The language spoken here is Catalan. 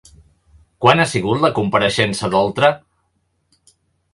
Quan ha sigut la compareixença d'Oltra?